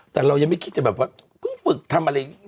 แต่เรายังไม่คิดจะแบบว่าเพิ่งฝึกทำอะไร